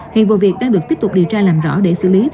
hiện vụ việc đang được tiếp tục điều tra làm rõ để xử lý theo quy định